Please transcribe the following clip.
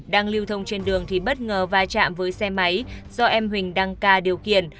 đang lưu thông trên đường thì bất ngờ vai trạm với xe máy do em huỳnh đăng ca điều kiển